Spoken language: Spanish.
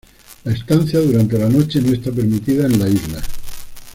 La Estancia durante la noche no está permitida en la isla.